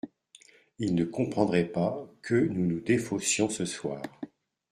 Ils ne comprendraient pas que nous nous défaussions ce soir.